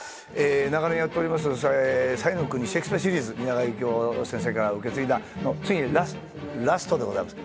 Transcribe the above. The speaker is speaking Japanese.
長年やっております「彩の国シェイクスピア・シリーズ」蜷川幸雄先生から受け継いだついにラストでございます。